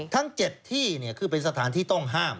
ทั้ง๗ที่คือเป็นสถานที่ต้องห้าม